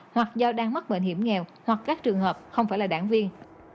hoặc do đang mắc bệnh hiểm nghèo hoặc các trường hợp không phải là đảng viên